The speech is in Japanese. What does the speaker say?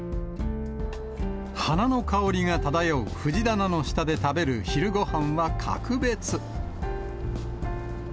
花の香りが漂う藤棚の下で食べる昼ごはんは格別。